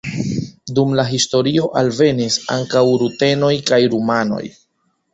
Dum la historio alvenis ankaŭ rutenoj kaj rumanoj.